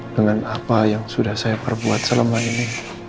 dengan apa yang sudah saya perbuat selama ini